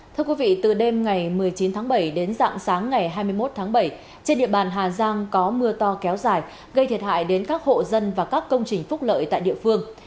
thưa quý vị từ đêm ngày một mươi chín tháng bảy đến dạng sáng ngày hai mươi một tháng bảy trên địa bàn hà giang có mưa to kéo dài gây thiệt hại đến các hộ dân và các công trình phúc lợi tại địa phương